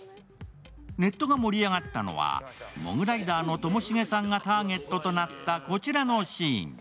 ネットが盛り上がったのはモグライダーのともしげさんがターゲットとなったこちらのシーン。